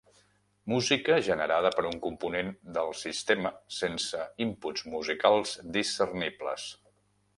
Música generada per un component del sistema sense inputs musicals discernibles.